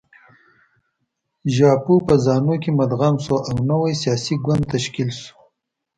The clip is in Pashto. زاپو په زانو کې مدغم شو او نوی سیاسي ګوند تشکیل شو.